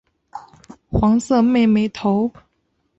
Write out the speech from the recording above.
黄色妹妹头。